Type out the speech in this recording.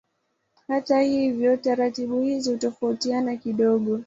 Hata hivyo taratibu hizi hutofautiana kidogo.